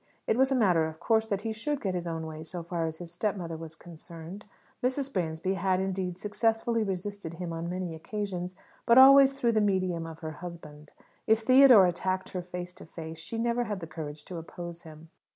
It was a matter of course that he should get his own way so far as his step mother was concerned. Mrs. Bransby had, indeed, successfully resisted him on many occasions; but always through the medium of her husband. If Theodore attacked her face to face, she never had the courage to oppose him.